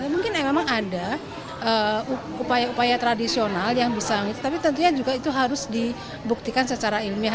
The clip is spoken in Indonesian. mungkin memang ada upaya upaya tradisional yang bisa tapi tentunya juga itu harus dibuktikan secara ilmiah